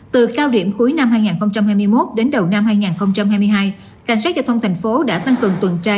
từ cao điểm cuối năm hai nghìn hai mươi một đến đầu năm hai nghìn hai mươi hai cảnh sát giao thông thành phố đã tăng cường tuần tra